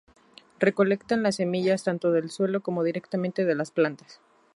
Recolectan las semillas tanto del suelo como directamente de las plantas.